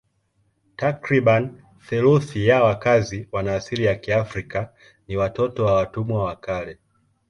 Takriban theluthi ya wakazi wana asili ya Kiafrika ni watoto wa watumwa wa kale.